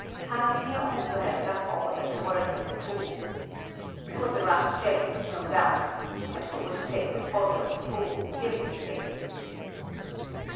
Casimir also had guffawed at the words of the fool. It was a rough jest, no doubt, but who would take the folly of a fool seriously?